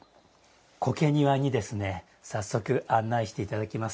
苔庭にですね早速、案内していただきます。